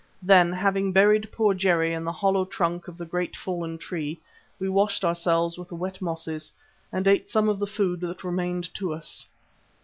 Then, having buried poor Jerry in the hollow trunk of the great fallen tree, we washed ourselves with the wet mosses and ate some of the food that remained to us.